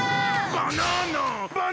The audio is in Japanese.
バナナ！